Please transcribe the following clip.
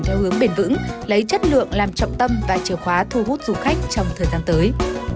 theo hướng bền vững lấy chất lượng làm trọng tâm và chìa khóa thu hút du khách trong thời gian tới